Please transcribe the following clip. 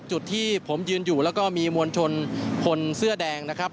จุดที่ผมยืนอยู่แล้วก็มีมวลชนคนเสื้อแดงนะครับ